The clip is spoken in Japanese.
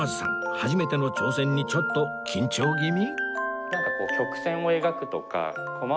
初めての挑戦にちょっと緊張気味？